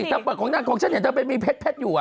เรีย่มเพชรเธอเปิดนั่งของฉันแสดงว่าเธอมีเพชรอยู่